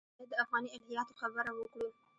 باید د افغاني الهیاتو خبره وکړو.